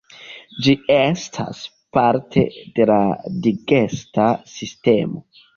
Ĝi estas parte de la digesta sistemo.